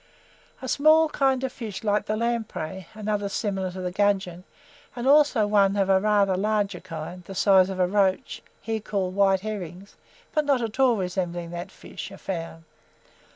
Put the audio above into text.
A small kind of fish like the lamprey, another similar to the gudgeon, and also one (of rather a larger kind the size of the roach) called here "white herrings," but not at all resembling that fish, are found.